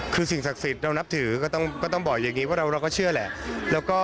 คือสิ่งศักดิ์สิทธิ์เรานับถือก็ต้องบอกอย่างนี้ว่าเราก็เชื่อแหละ